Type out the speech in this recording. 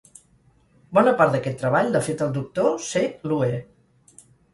Bona part d'aquest treball l'ha fet el Doctor C. Luer.